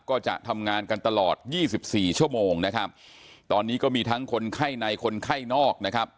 ก็จะทำงานกันตลอดยี่สิบสี่ชั่วโมงนะครับตอนนี้ก็มีทั้งคนไข้ในคนไข้นอกนะครับ